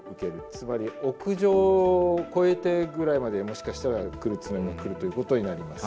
つまり屋上を越えてぐらいまではもしかしたら津波も来るということになります。